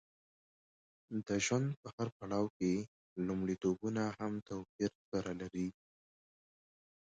د ژوند په هر پړاو کې لومړیتوبونه هم توپیر سره لري.